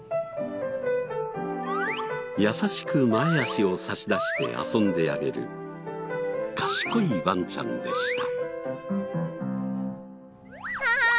優しく前脚を差し出して遊んであげる賢いワンちゃんでした。